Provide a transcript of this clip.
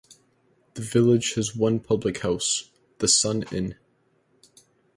The village has one Public House, The Sun Inn.